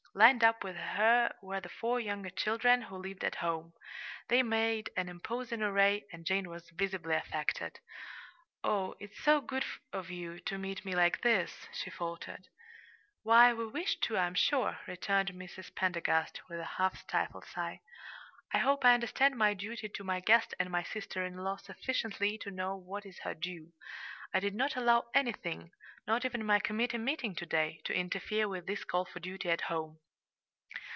Lined up with her were the four younger children, who lived at home. They made an imposing array, and Jane was visibly affected. "Oh, it's so good of you to meet me like this!" she faltered. "Why, we wished to, I'm sure," returned Mrs. Pendergast, with a half stifled sigh. "I hope I understand my duty to my guest and my sister in law sufficiently to know what is her due. I did not allow anything not even my committee meeting to day to interfere with this call for duty at home."